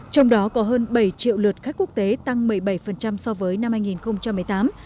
trong đó có hơn bảy triệu lượt khách quốc tế tăng một mươi bảy so với năm hai nghìn một mươi tám